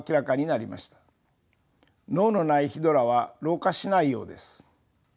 脳のないヒドラは老化しないようです。